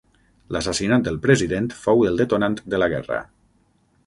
L'assassinat del president fou el detonant de la guerra.